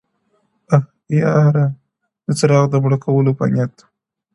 ه ياره د څراغ د مــړه كولو پــه نـيت-